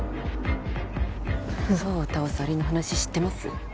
ゾウを倒すアリの話知ってます？